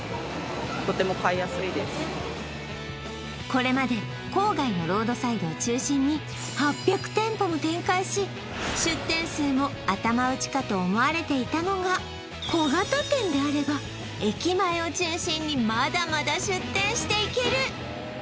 これまで郊外のロードサイドを中心に８００店舗も展開し出店数も頭打ちかと思われていたのが小型店であれば駅前を中心にまだまだ出店していける